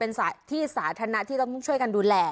เป็นที่สาธารณะที่ต้องช่วยกันดูแล